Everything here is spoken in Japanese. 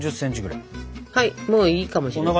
はいもういいかもしれない。